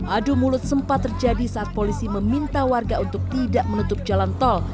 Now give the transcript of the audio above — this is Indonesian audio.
adu mulut sempat terjadi saat polisi meminta warga untuk tidak menutup jalan tol